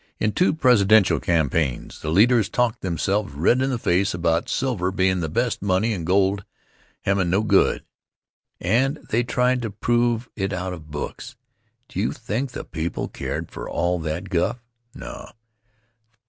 In two Presidential campaigns, the leaders talked themselves red in the face about silver bein' the best money and gold hem' no good, and they tried to prove it out of books. Do you think the people cared for all that guff? No.